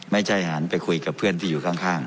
หันไปคุยกับเพื่อนที่อยู่ข้าง